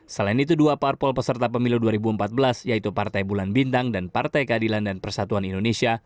selain itu dua parpol peserta pemilu dua ribu empat belas yaitu partai bulan bintang dan partai keadilan dan persatuan indonesia